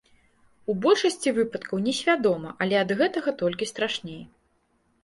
У большасці выпадкаў несвядома, але ад гэтага толькі страшней.